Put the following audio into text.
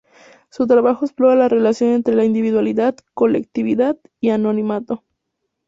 Su trabajo explora la relación entre la individualidad, colectividad, y el anonimato.